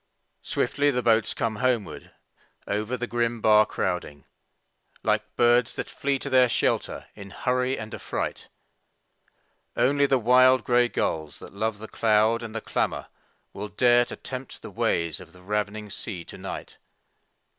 Swiftly the boats come homeward, over the grim bar crowding, Like birds that flee to their shelter in hurry and affright. Only the wild grey gulls that love the cloud and the clamor Will dare to tempt the ways of the ravining sea to night.